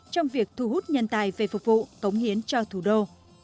trong việc thu hút nhân tài về phục vụ cống hiến cho thủ đô